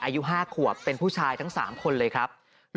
อายุ๕ขวบเป็นผู้ชายทั้ง๓คนเลยครับ